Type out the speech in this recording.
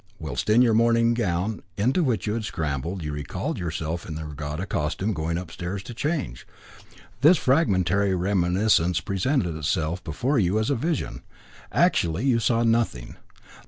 Whilst in your morning gown, into which you had scrambled, you recalled yourself in your regatta costume going upstairs to change. This fragmentary reminiscence presented itself before you as a vision. Actually you saw nothing.